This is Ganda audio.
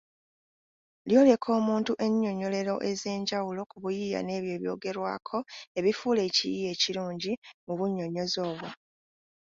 Lyoleka omuntu ennyinnyonnyolero ez’enjawulo ku buyiiya n’ebyo ebyogerwako ebifuula ekiyiiye ekirungi mu bunnyonnyozi obwo.